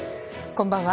こんばんは。